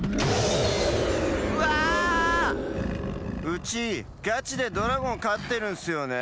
うちガチでドラゴンかってるんすよね。